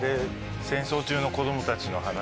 戦争中の子供たちの話で。